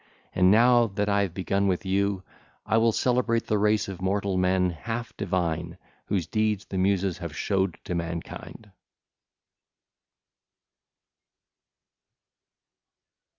And now that I have begun with you, I will celebrate the race of mortal men half divine whose deeds the Muses have showed to mankind.